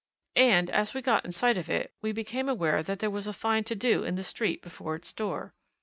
And as we got in sight of it, we became aware that there was a fine to do in the street before its door.